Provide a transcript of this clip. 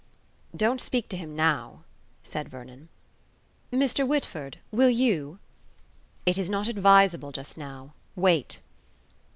"Don't speak to him now," said Vernon. "Mr. Whitford, will you?" "It is not advisable just now. Wait."